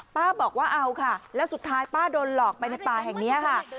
บอกว่าเอาค่ะแล้วสุดท้ายป้าโดนหลอกไปในป่าแห่งนี้ค่ะ